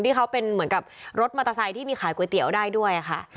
ที่เขาเป็นเหมือนกับรถมอเตอร์ไซค์ที่มีขายก๋วยเตี๋ยวได้ด้วยค่ะ